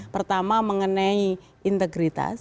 pertama mengenai integritas